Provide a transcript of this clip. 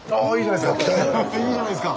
いいじゃないすか！